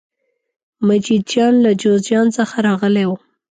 مجید جان له جوزجان څخه راغلی و.